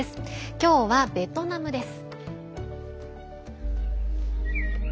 今日はベトナムです。